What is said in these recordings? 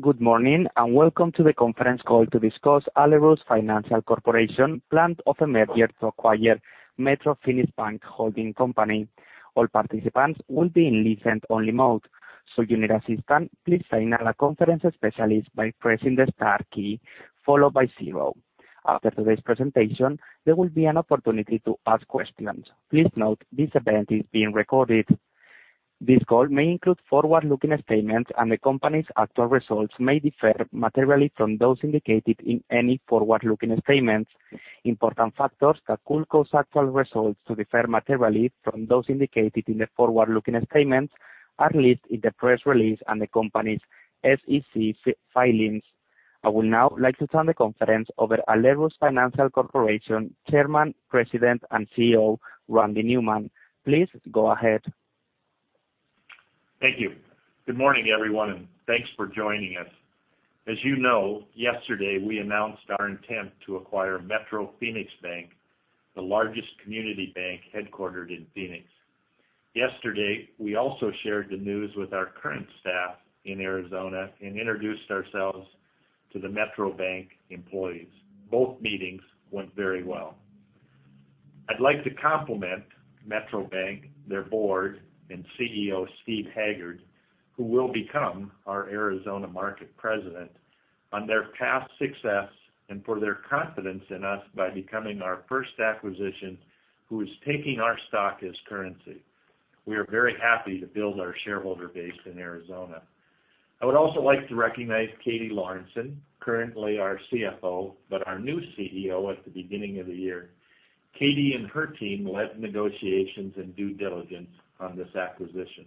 Good morning, and welcome to the conference call to discuss Alerus Financial Corporation's plan for a merger to acquire Metro Phoenix Bank Holding Company. All participants will be in listen-only mode. If you need assistance, please signal a conference specialist by pressing the star key, followed by zero. After today's presentation, there will be an opportunity to ask questions. Please note this event is being recorded. This call may include forward-looking statements, and the company's actual results may differ materially from those indicated in any forward-looking statements. Important factors that could cause actual results to differ materially from those indicated in the forward-looking statements are listed in the press release and the company's SEC filings. I would now like to turn the conference over to Alerus Financial Corporation's Chairman, President, and CEO, Randy Newman. Please go ahead. Thank you. Good morning, everyone, and thanks for joining us. As you know, yesterday, we announced our intent to acquire Metro Phoenix Bank, the largest community bank headquartered in Phoenix. Yesterday, we also shared the news with our current staff in Arizona and introduced ourselves to the Metro Bank employees. Both meetings went very well. I'd like to compliment Metro Bank, their board, and CEO, Steve Haggard, who will become our Arizona Market President, on their past success and for their confidence in us by becoming our first acquisition who is taking our stock as currency. We are very happy to build our shareholder base in Arizona. I would also like to recognize Katie Lorenson, currently our CFO, but our new CEO at the beginning of the year. Katie and her team led negotiations and due diligence on this acquisition.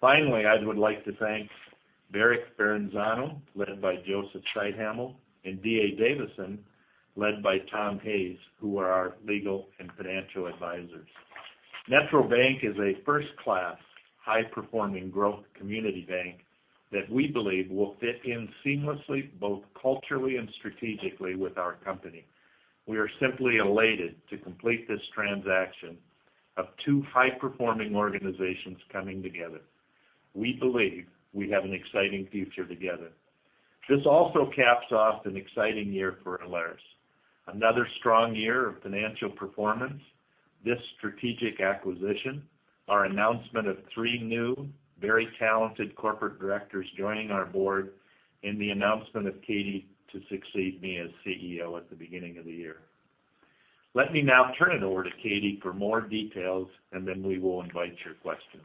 Finally, I would like to thank Barack Ferrazzano, led by Joseph Ceithaml, and D.A. Davidson, led by Tom Hayes, who are our legal and financial advisors. Metro Phoenix Bank is a first-class, high-performing growth community bank that we believe will fit in seamlessly, both culturally and strategically with our company. We are simply elated to complete this transaction of two high-performing organizations coming together. We believe we have an exciting future together. This also caps off an exciting year for Alerus, another strong year of financial performance, this strategic acquisition, our announcement of three new, very talented corporate directors joining our board, and the announcement of Katie to succeed me as CEO at the beginning of the year. Let me now turn it over to Katie for more details, and then we will invite your questions.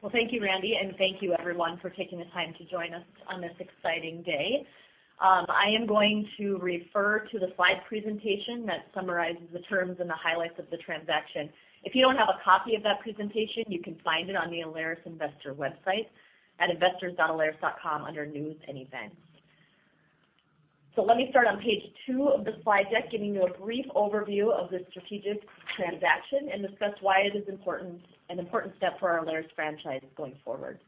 Well, thank you, Randy, and thank you everyone for taking the time to join us on this exciting day. I am going to refer to the slide presentation that summarizes the terms and the highlights of the transaction. If you don't have a copy of that presentation, you can find it on the Alerus investor website at investors.alerus.com under News and Events. Let me start on page two of the slide deck, giving you a brief overview of the strategic transaction and discuss why it is important, an important step for our Alerus franchise going forward.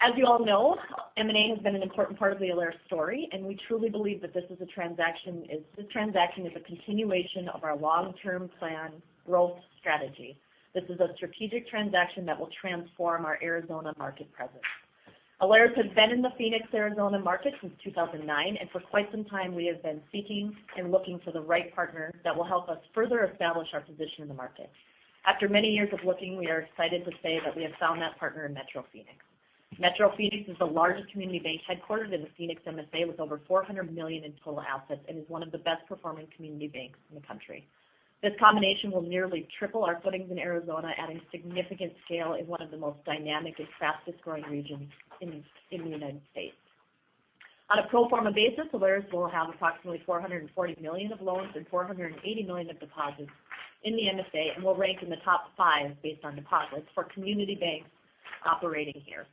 As you all know, M&A has been an important part of the Alerus story, and we truly believe that this transaction is a continuation of our long-term plan growth strategy. This is a strategic transaction that will transform our Arizona market presence. Alerus has been in the Phoenix, Arizona market since 2009, and for quite some time, we have been seeking and looking for the right partner that will help us further establish our position in the market. After many years of looking, we are excited to say that we have found that partner in Metro Phoenix. Metro Phoenix is the largest community bank headquartered in the Phoenix MSA, with over $400 million in total assets and is one of the best performing community banks in the country. This combination will nearly triple our footprint in Arizona at a significant scale in one of the most dynamic and fastest-growing regions in the United States. On a pro forma basis, Alerus will have approximately $440 million of loans and $480 million of deposits in the MSA, and will rank in the top five based on deposits for community banks operating here.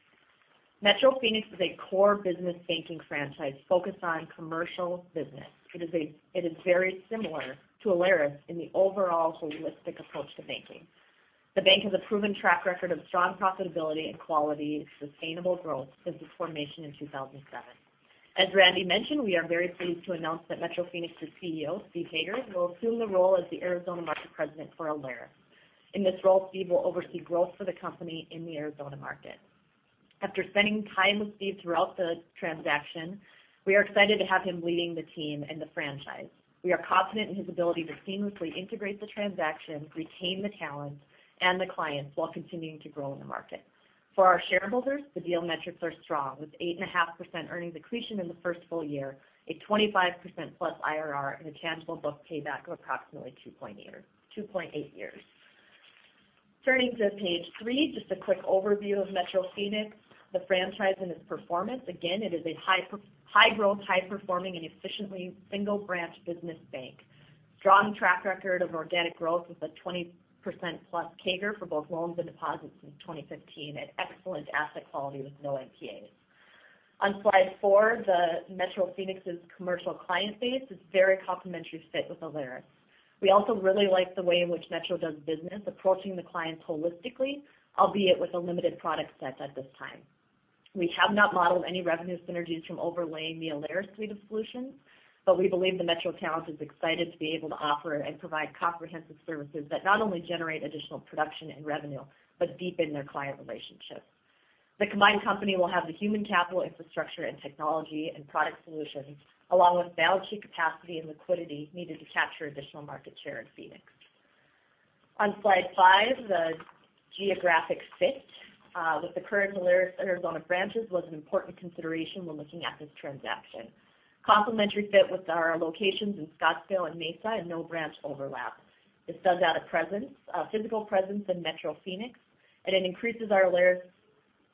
Metro Phoenix is a core business banking franchise focused on commercial business. It is very similar to Alerus in the overall holistic approach to banking. The bank has a proven track record of strong profitability and quality, sustainable growth since its formation in 2007. As Randy mentioned, we are very pleased to announce that Metro Phoenix's CEO, Steve Haggard, will assume the role as the Arizona Market President for Alerus. In this role, Steve will oversee growth for the company in the Arizona market. After spending time with Steve throughout the transaction, we are excited to have him leading the team and the franchise. We are confident in his ability to seamlessly integrate the transaction, retain the talent, and the clients while continuing to grow in the market. For our shareholders, the deal metrics are strong, with 8.5% earnings accretion in the first full year, a 25%+ IRR and a tangible book payback of approximately 2.8 or 2.8 years. Turning to page three, just a quick overview of Metro Phoenix, the franchise and its performance. Again, it is a high growth, high performing and efficient single branch business bank. Strong track record of organic growth with a 20%+ CAGR for both loans and deposits in 2015 with excellent asset quality with no NPAs. On slide four, the Metro Phoenix Bank's commercial client base is very complementary fit with Alerus. We also really like the way in which Metro does business, approaching the clients holistically, albeit with a limited product set at this time. We have not modeled any revenue synergies from overlaying the Alerus suite of solutions, but we believe the Metro talent is excited to be able to offer and provide comprehensive services that not only generate additional production and revenue, but deepen their client relationships. The combined company will have the human capital infrastructure and technology and product solutions, along with balance sheet capacity and liquidity needed to capture additional market share in Phoenix. On slide five, the geographic fit with the current Alerus Arizona branches was an important consideration when looking at this transaction. Complementary fit with our locations in Scottsdale and Mesa and no branch overlap. This fills out a presence, a physical presence in Metro Phoenix, and it increases our Alerus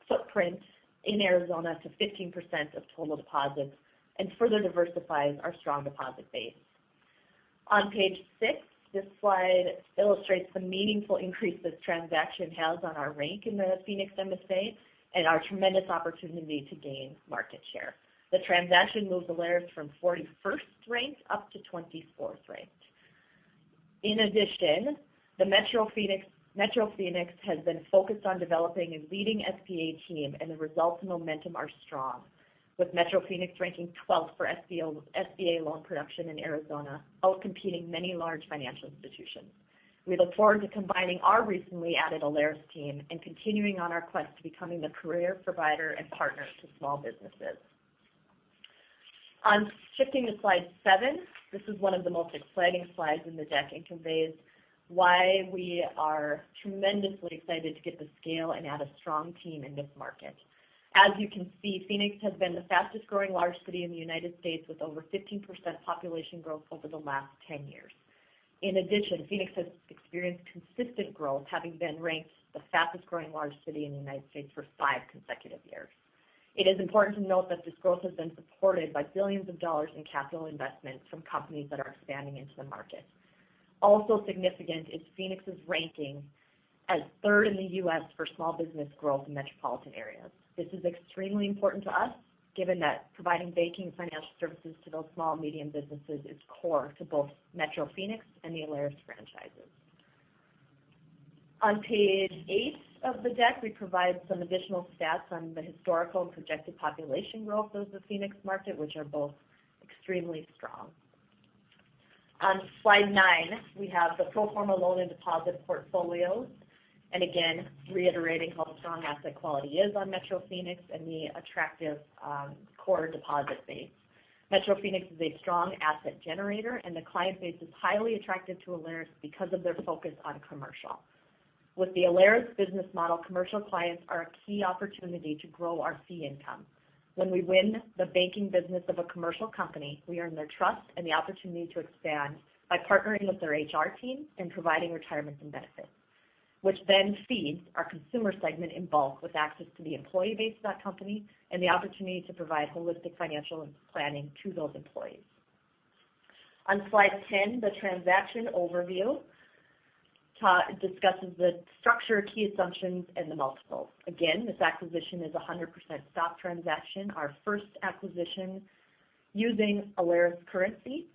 footprint in Arizona to 15% of total deposits and further diversifies our strong deposit base. On page six, this slide illustrates the meaningful increase this transaction has on our rank in the Phoenix MSA and our tremendous opportunity to gain market share. The transaction moves Alerus from 41st rank up to 24th rank. In addition, Metro Phoenix has been focused on developing a leading SBA team, and the results and momentum are strong, with Metro Phoenix ranking 12th for SBA loan production in Arizona, outcompeting many large financial institutions. We look forward to combining our recently added Alerus team and continuing on our quest to becoming the clear provider and partner to small businesses. Shifting to slide seven, this is one of the most exciting slides in the deck and conveys why we are tremendously excited to get the scale and add a strong team in this market. As you can see, Phoenix has been the fastest-growing large city in the United States with over 15% population growth over the last 10 years. In addition, Phoenix has experienced consistent growth, having been ranked the fastest-growing large city in the United States for five consecutive years. It is important to note that this growth has been supported by billions of dollars in capital investment from companies that are expanding into the market. Also significant is Phoenix's ranking as third in the U.S. for small business growth in metropolitan areas. This is extremely important to us, given that providing banking and financial services to those small and medium businesses is core to both Metro Phoenix and the Alerus franchises. On page eight of the deck, we provide some additional stats on the historical and projected population growth of the Phoenix market, which are both extremely strong. On slide nine, we have the pro forma loan and deposit portfolios, and again, reiterating how strong asset quality is on Metro Phoenix and the attractive, core deposit base. Metro Phoenix is a strong asset generator, and the client base is highly attractive to Alerus because of their focus on commercial. With the Alerus business model, commercial clients are a key opportunity to grow our fee income. When we win the banking business of a commercial company, we earn their trust and the opportunity to expand by partnering with their HR team and providing retirement and benefits, which then feeds our consumer segment in bulk with access to the employee base of that company and the opportunity to provide holistic financial planning to those employees. On slide 10, the transaction overview discusses the structure, key assumptions, and the multiples. Again, this acquisition is a 100% stock transaction, our first acquisition using Alerus currency.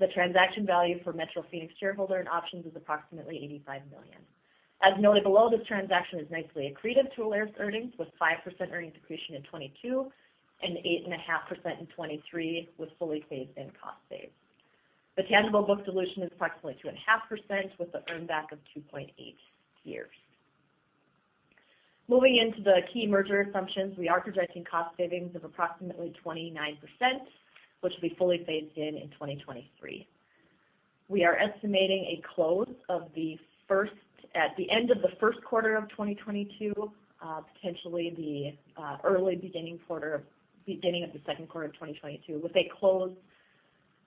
The transaction value for Metro Phoenix shareholder and options is approximately $85 million. As noted below, this transaction is nicely accretive to Alerus earnings, with 5% earnings accretion in 2022 and 8.5% in 2023, with fully phased-in cost saves. The tangible book dilution is approximately 2.5%, with the earn back of 2.8 years. Moving into the key merger assumptions, we are projecting cost savings of approximately 29%, which will be fully phased in in 2023. We are estimating a close at the end of the first quarter of 2022, potentially the beginning of the second quarter of 2022, with a close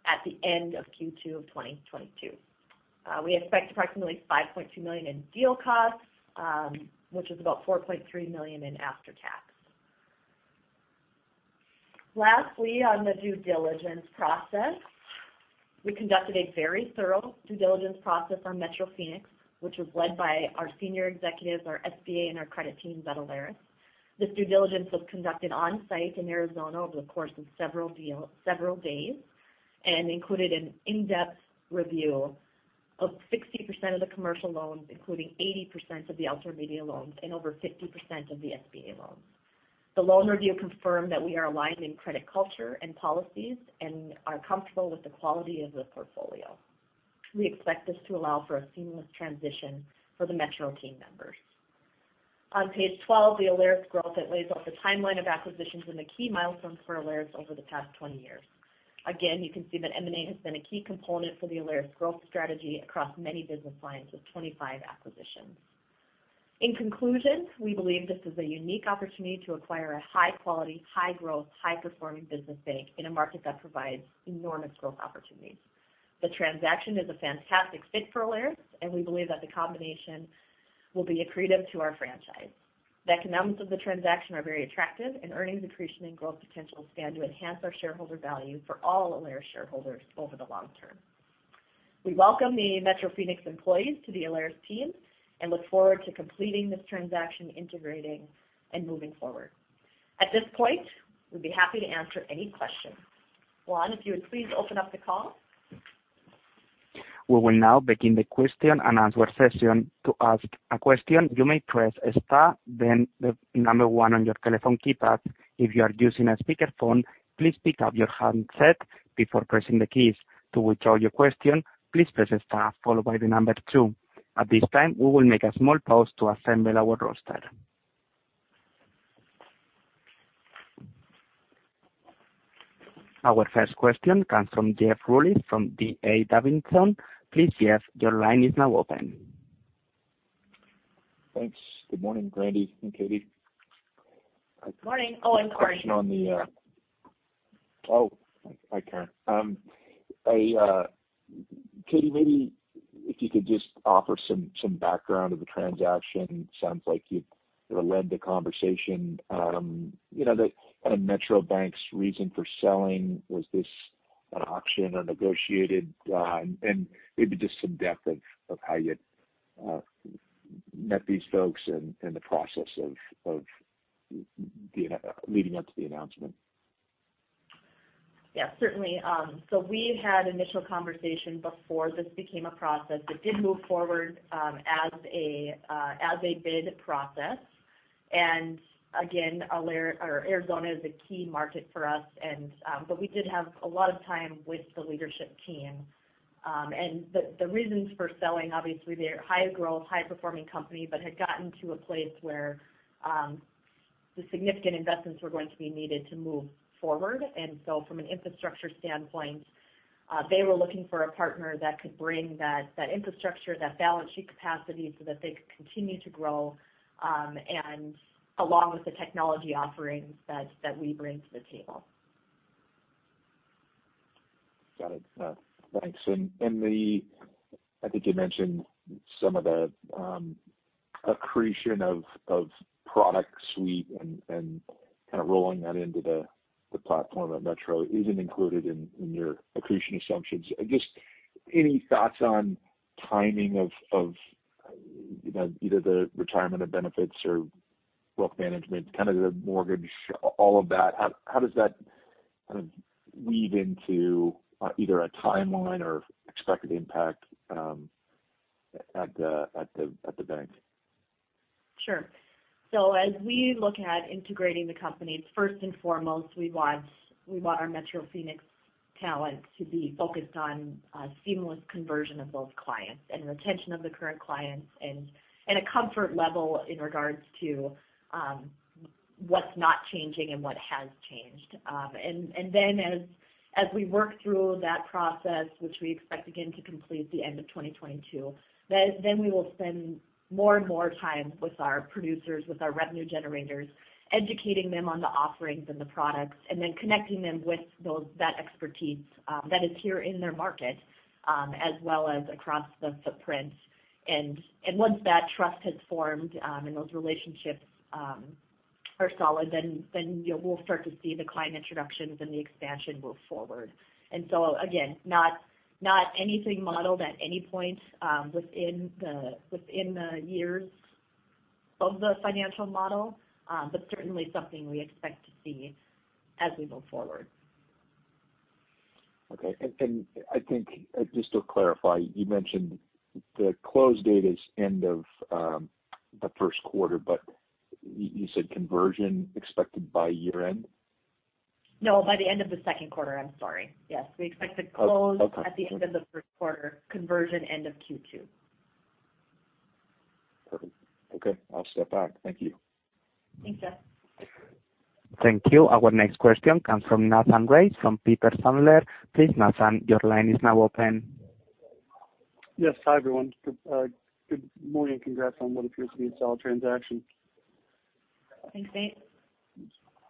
at the end of Q2 of 2022. We expect approximately $5.2 million in deal costs, which is about $4.3 million after-tax. Lastly, on the due diligence process, we conducted a very thorough due diligence process on Metro Phoenix, which was led by our senior executives, our SBA and our credit teams at Alerus. This due diligence was conducted on-site in Arizona over the course of several days and included an in-depth review of 60% of the commercial loans, including 80% of the outdoor media loans and over 50% of the SBA loans. The loan review confirmed that we are aligned in credit culture and policies and are comfortable with the quality of the portfolio. We expect this to allow for a seamless transition for the Metro team members. On page 12, the Alerus growth, it lays out the timeline of acquisitions and the key milestones for Alerus over the past 20 years. Again, you can see that M&A has been a key component for the Alerus growth strategy across many business lines with 25 acquisitions. In conclusion, we believe this is a unique opportunity to acquire a high-quality, high-growth, high-performing business bank in a market that provides enormous growth opportunities. The transaction is a fantastic fit for Alerus, and we believe that the combination will be accretive to our franchise. The economics of the transaction are very attractive, and earnings accretion and growth potential stand to enhance our shareholder value for all Alerus shareholders over the long term. We welcome the Metro Phoenix employees to the Alerus team and look forward to completing this transaction, integrating, and moving forward. At this point, we'd be happy to answer any questions. Juan, if you would please open up the call. Our first question comes from Jeff Rulis from D.A. Davidson. Please, Jeff, your line is now open. Thanks. Good morning, Randy and Katie. Morning. Oh, Karin. Oh, hi Karen. Katie, maybe if you could just offer some background of the transaction. Sounds like you've sort of led the conversation. You know, the kind of Metro Bank's reason for selling, was this an auction or negotiated? And maybe just some depth of how you'd met these folks in the process of the leading up to the announcement. Yeah, certainly. We had initial conversation before this became a process. It did move forward as a bid process. Again, Arizona is a key market for us, but we did have a lot of time with the leadership team. The reasons for selling, obviously they're high growth, high performing company, but had gotten to a place where the significant investments were going to be needed to move forward. From an infrastructure standpoint, they were looking for a partner that could bring that infrastructure, that balance sheet capacity so that they could continue to grow, and along with the technology offerings that we bring to the table. Got it. Thanks. I think you mentioned some of the accretion of product suite and kind of rolling that into the platform at Metro isn't included in your accretion assumptions. Just any thoughts on timing of, you know, either the retirement of benefits or wealth management, kind of the mortgage, all of that. How does that kind of weave into either a timeline or expected impact at the bank? Sure. As we look at integrating the companies, first and foremost, we want our Metro Phoenix talent to be focused on a seamless conversion of those clients and retention of the current clients and a comfort level in regards to what's not changing and what has changed. As we work through that process, which we expect again to complete at the end of 2022, we will spend more and more time with our producers, with our revenue generators, educating them on the offerings and the products, and then connecting them with that expertise that is here in their market as well as across the footprint. Once that trust has formed and those relationships are solid, then you know, we'll start to see the client introductions and the expansion move forward. Again, not anything modeled at any point within the years of the financial model, but certainly something we expect to see as we move forward. Okay. I think just to clarify, you mentioned the close date is end of the first quarter, but you said conversion expected by year end? No, by the end of the second quarter. I'm sorry. Yes. We expect to close. Okay. At the end of the first quarter, conversion end of Q2. Perfect. Okay, I'll step back. Thank you. Thanks, Jeff. Thank you. Our next question comes from Nathan Race from Piper Sandler. Please, Nathan, your line is now open. Yes. Hi, everyone. Good morning and congrats on what appears to be a solid transaction. Thanks, Nate. I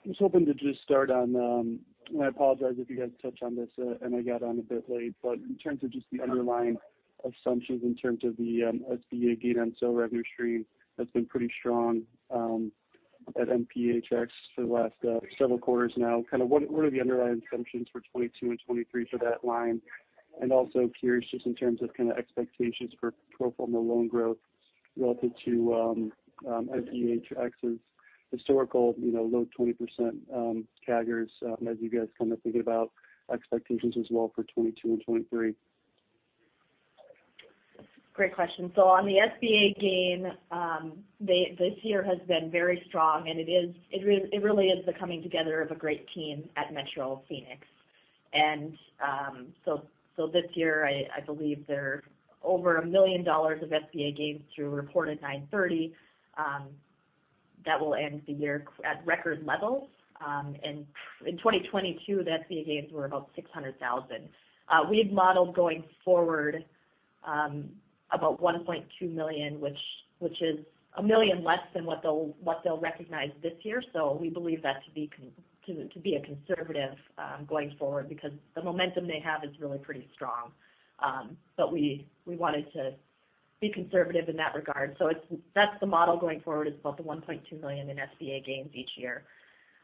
was hoping to just start on and I apologize if you guys touched on this and I got on a bit late. In terms of just the underlying assumptions in terms of the SBA gain on sale revenue stream that's been pretty strong at MPHX for the last several quarters now. What are the underlying assumptions for 2022 and 2023 for that line? And also curious just in terms of kind of expectations for pro forma loan growth relative to MPHX's historical you know low 20% CAGRs as you guys kind of think about expectations as well for 2022 and 2023. Great question. On the SBA gain, this year has been very strong, and it really is the coming together of a great team at Metro Phoenix. This year, I believe they're over $1 million of SBA gains through reported 9/30, that will end the year at record levels. In 2022, the SBA gains were about $600,000. We've modeled going forward about $1.2 million, which is $1 million less than what they'll recognize this year. We believe that to be a conservative going forward because the momentum they have is really pretty strong. But we wanted to be conservative in that regard. That's the model going forward is about $1.2 million in SBA gains each year.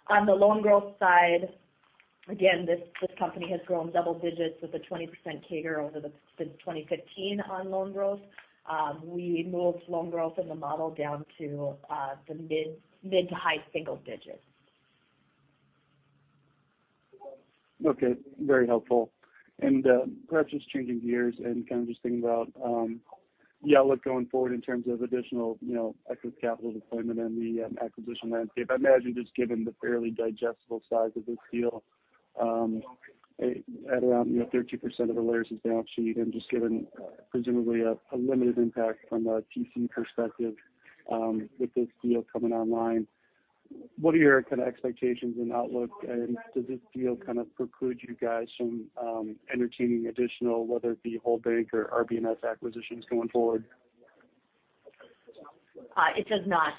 On the loan growth side, again, this company has grown double digits with a 20% CAGR over since 2015 on loan growth. We moved loan growth in the model down to the mid- to high single digits. Okay, very helpful. Perhaps just changing gears and kind of just thinking about look going forward in terms of additional, you know, excess capital deployment and the acquisition landscape. I imagine just given the fairly digestible size of this deal at around, you know, 13% of Alerus's balance sheet and just given presumably a limited impact from a TCE perspective with this deal coming online, what are your kind of expectations and outlook? Does this deal kind of preclude you guys from entertaining additional, whether it be whole bank or RB&MS acquisitions going forward? It does not.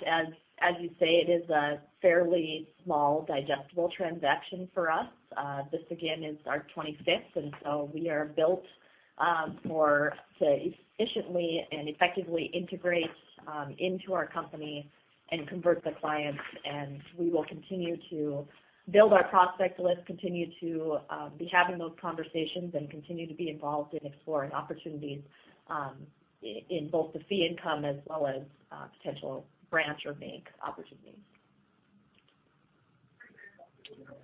As you say, it is a fairly small digestible transaction for us. This again is our 25th, and so we are built to efficiently and effectively integrate into our company and convert the clients. We will continue to build our prospect list, continue to be having those conversations and continue to be involved in exploring opportunities in both the fee income as well as potential branch or bank opportunities.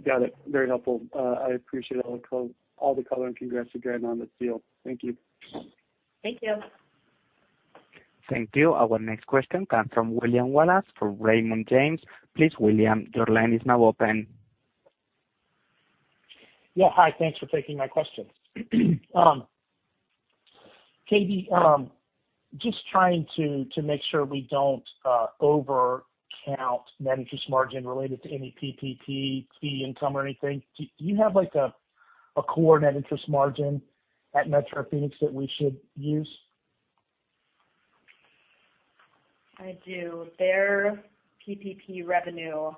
Got it. Very helpful. I appreciate all the color, and congrats again on this deal. Thank you. Thank you. Thank you. Our next question comes from William Wallace from Raymond James. Please, William, your line is now open. Yeah. Hi. Thanks for taking my question. Katie, just trying to make sure we don't overcount net interest margin related to any PPP fee income or anything. Do you have like a core net interest margin at Metro Phoenix that we should use? I do. Their PPP revenue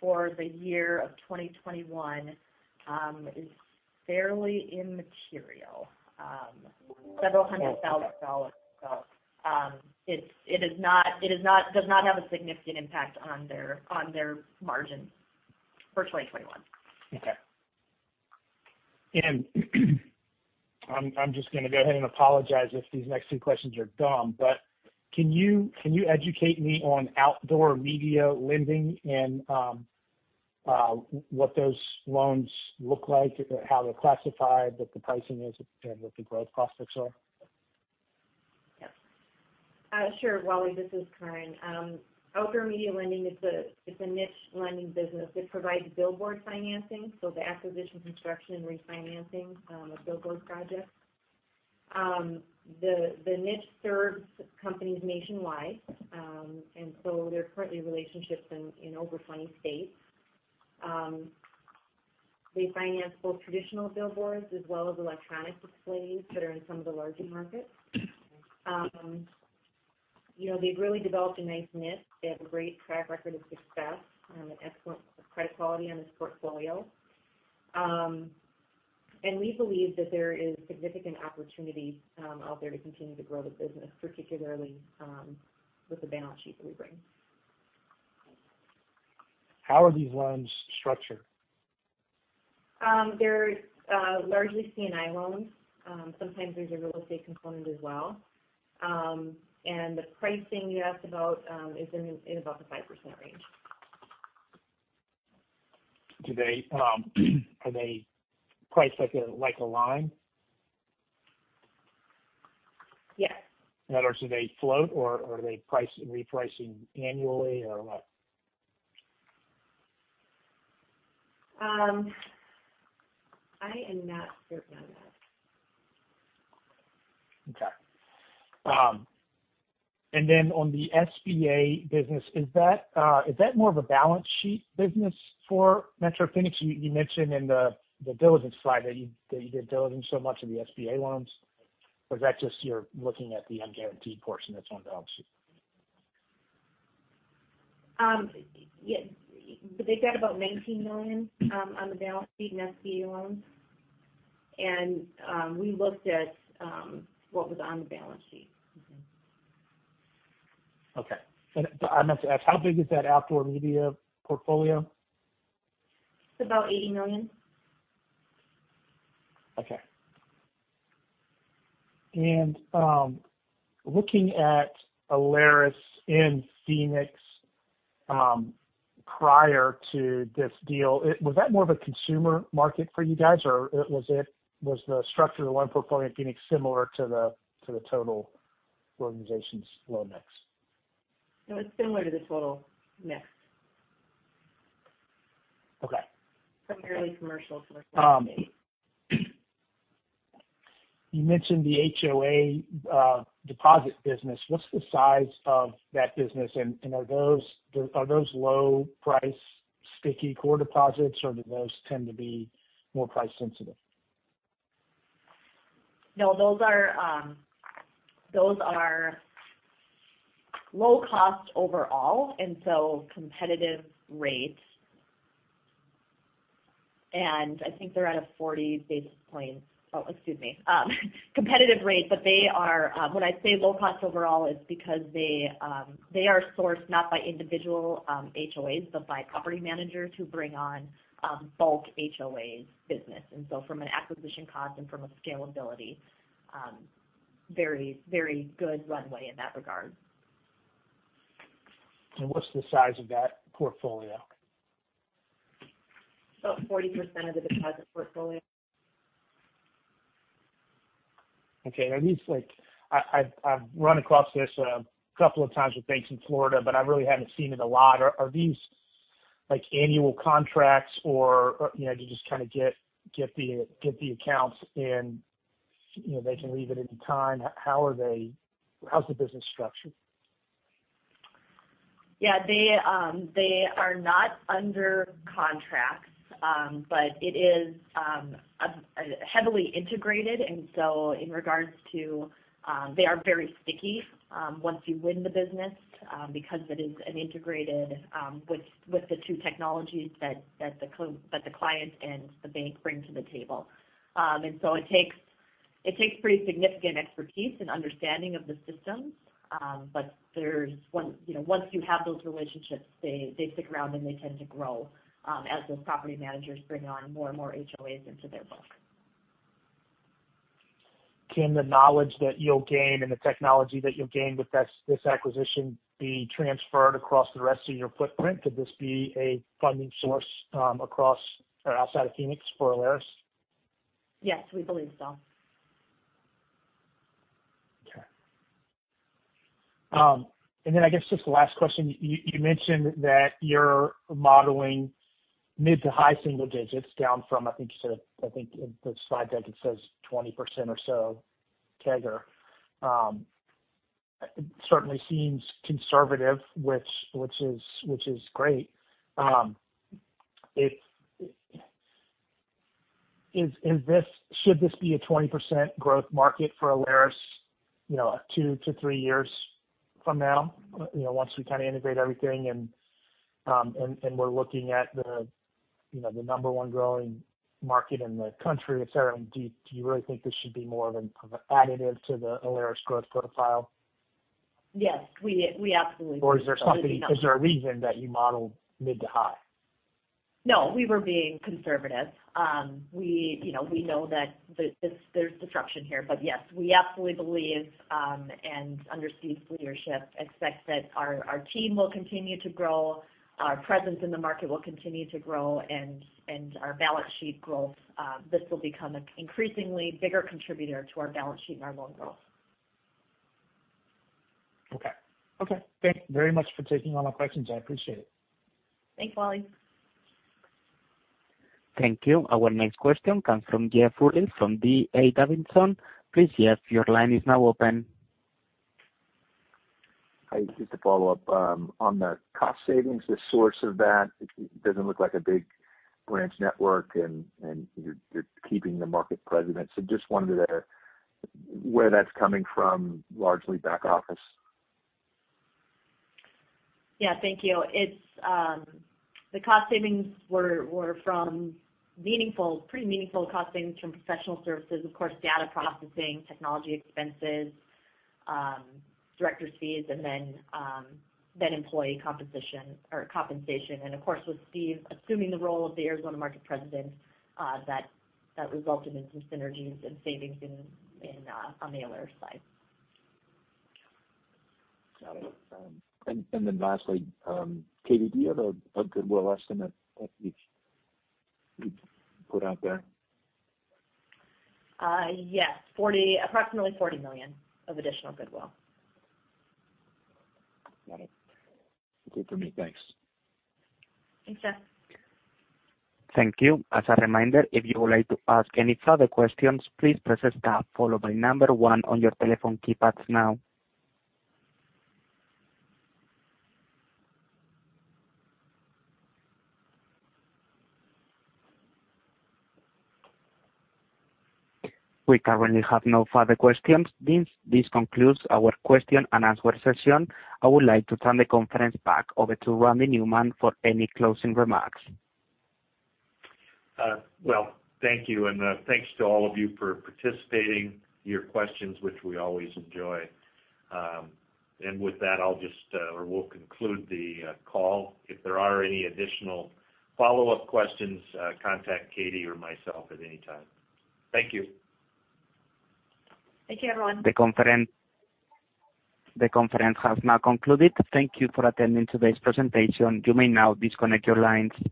for the year of 2021 is fairly immaterial, $several hundred thousand. It does not have a significant impact on their margin for 2021. Okay. I'm just gonna go ahead and apologize if these next two questions are dumb. Can you educate me on outdoor media lending and what those loans look like or how they're classified, what the pricing is, and what the growth prospects are? Yep. Sure, Wally, this is Karin. Outdoor media lending is a, it's a niche lending business. It provides billboard financing, so the acquisition, construction, and refinancing of billboard projects. The niche serves companies nationwide. There are currently relationships in over 20 states. They finance both traditional billboards as well as electronic displays that are in some of the larger markets. You know, they've really developed a nice niche. They have a great track record of success, and excellent credit quality on this portfolio. We believe that there is significant opportunity out there to continue to grow the business, particularly with the balance sheet that we bring. How are these loans structured? They're largely C&I loans. Sometimes there's a real estate component as well. The pricing you asked about is in about the 5% range. Do they, are they priced like a, like a line? Yes. In other words, do they float, or are they repricing annually or what? I am not certain on that. Okay. On the SBA business, is that more of a balance sheet business for Metro Phoenix? You mentioned in the due diligence slide that you did due diligence on so much of the SBA loans. Or is that just you're looking at the unguaranteed portion that's on the balance sheet? They've got about $19 million on the balance sheet in SBA loans. We looked at what was on the balance sheet. Okay. I meant to ask, how big is that outdoor media portfolio? It's about $80 million. Okay. Looking at Alerus and Phoenix, prior to this deal, was that more of a consumer market for you guys? Or was it, the structure of the loan portfolio at Phoenix similar to the total organization's loan mix? It was similar to this total mix. Okay. Primarily commercial for You mentioned the HOA deposit business. What's the size of that business? Are those low-price, sticky core deposits, or do those tend to be more price sensitive? No, those are low cost overall and so competitive rates. I think they're at a 40 basis points. Oh, excuse me, competitive rate. When I say low cost overall, it's because they are sourced not by individual HOAs, but by property managers who bring on bulk HOAs business. From an acquisition cost and from a scalability, very, very good runway in that regard. What's the size of that portfolio? About 40% of the deposit portfolio. Okay. Are these like I've run across this a couple of times with banks in Florida, but I really haven't seen it a lot. Are these like annual contracts or, you know, do you just kind of get the accounts and, you know, they can leave at any time. How are they? How's the business structured? Yeah, they are not under contracts. It is heavily integrated. In regards to that, they are very sticky once you win the business because it is integrated with the two technologies that the client and the bank bring to the table. It takes pretty significant expertise and uderstanding of the systems. Once you have those relationships, you know, they stick around, and they tend to grow as those property managers bring on more and more HOAs into their book. Can the knowledge that you'll gain and the technology that you'll gain with this acquisition be transferred across the rest of your footprint? Could this be a funding source, across or outside of Phoenix for Alerus? Yes, we believe so. Okay. Then I guess just the last question. You mentioned that you're modeling mid- to high-single digits down from. I think you said the slide deck it says 20% or so CAGR. Certainly seems conservative, which is great. Should this be a 20% growth market for Alerus, you know, two-three years from now? You know, once we kind of integrate everything and we're looking at the, you know, the number one growing market in the country, etc. Do you really think this should be more of an additive to the Alerus growth profile? Yes, we absolutely believe. Is there a reason that you modeled mid to high? No, we were being conservative. We know that there's disruption here. Yes, we absolutely believe and under Steve's leadership expect that our team will continue to grow, our presence in the market will continue to grow, and our balance sheet growth. This will become an increasingly bigger contributor to our balance sheet and our loan growth. Okay. Thank you very much for taking all my questions. I appreciate it. Thanks, Wally. Thank you. Our next question comes from Jeff Rulis from D.A. Davidson. Please, Jeff, your line is now open. Hi. Just to follow up, on the cost savings, the source of that, it doesn't look like a big branch network, and you're keeping the market president. Just wondering where that's coming from, largely back office? Yeah, thank you. It's the cost savings were from meaningful, pretty meaningful cost savings from professional services, of course, data processing, technology expenses, director's fees, and then employee composition or compensation. Of course, with Steve assuming the role of the Arizona Market President, that resulted in some synergies and savings in on the Alerus side. Got it. Lastly, Katie, do you have a goodwill estimate that you put out there? Yes, approximately $40 million of additional goodwill. Got it. Good for me. Thanks. Thanks, Jeff. Thank you. As a reminder, if you would like to ask any further questions, please press star followed by number one on your telephone keypads now. We currently have no further questions. This concludes our question and answer session. I would like to turn the conference back over to Randy Newman for any closing remarks. Well, thank you. Thanks to all of you for participating, your questions, which we always enjoy. With that, we'll conclude the call. If there are any additional follow-up questions, contact Katie or myself at any time. Thank you. Thank you, everyone. The conference has now concluded. Thank you for attending today's presentation. You may now disconnect your lines.